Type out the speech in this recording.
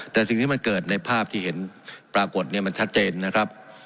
แต่สิ่งที่มันเกิดในภาพที่เห็นปรากฏเนี่ยมันชัดเจนนะครับ